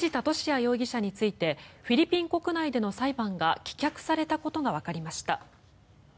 容疑者についてフィリピン国内での裁判が棄却されたことがわかりました。